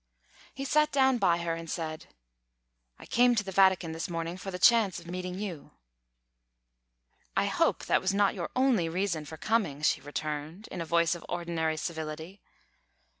He sat down by her, and said: "I came to the Vatican this morning for the chance of meeting you." "I hope that was not your only reason for coming," she returned, in a voice of ordinary civility.